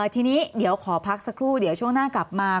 ทีนี้เดี๋ยวขอพักสักครู่เดี๋ยวช่วงหน้ากลับมา